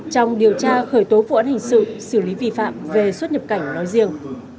trong điều tra khởi tố vụ án hình sự xử lý vi phạm về xuất nhập cảnh nói riêng